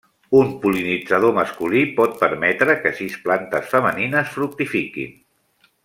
Un pol·linitzador masculí pot permetre que sis plantes femenines fructifiquin.